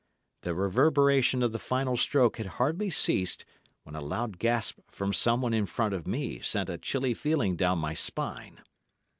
The reverberation of the final stroke had hardly ceased when a loud gasp from someone in front of me sent a chilly feeling down my spine.